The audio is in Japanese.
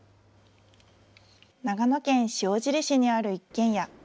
長野県塩尻市にある一軒家。